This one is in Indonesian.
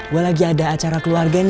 gue lagi ada acara keluarga ini